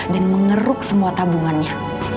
dan mengeruk semua tabungannya